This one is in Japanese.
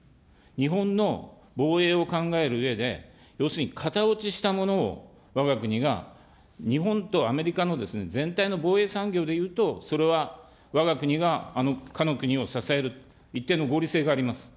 日本の防衛を考えるうえで、要するに型落ちしたものをわが国が日本とアメリカの全体の防衛産業でいうと、それはわが国があのかの国を支える、一定の合理性があります。